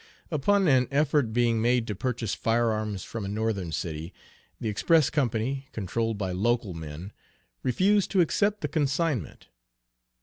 Upon an effort being made to purchase firearms from a Northern city, the express company, controlled by local men, refused to accept the consignment.